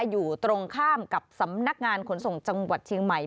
อยู่ตรงข้ามกับสำนักงานขนส่งจังหวัดเชียงใหม่